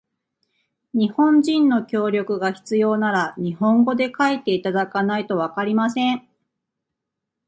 日本人の協力が必要なら、日本語で書いていただかないとわかりません。